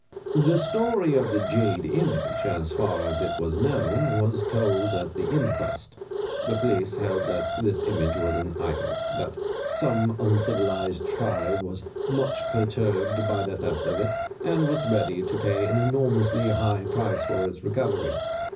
The story of the jade image, as far as it was known, was told at the inquest. The police held that this image was an idol, that some un civilized tribe was much perturbed by the theft of it, and was ready to pay an enormously high price for its recovery.